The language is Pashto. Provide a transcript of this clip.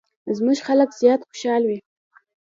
زموږ خلک زیات خوشحال وي.